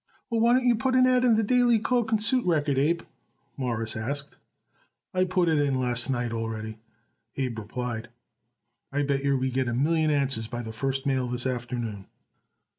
"Well, why don't you put it an ad in the Daily Cloak and Suit Record, Abe?" Morris asked. "I put it in last night already," Abe replied, "and I bet yer we get it a million answers by the first mail this afternoon."